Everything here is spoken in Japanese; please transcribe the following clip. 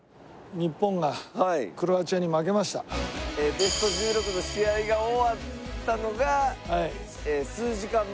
ベスト１６の試合が終わったのが数時間前。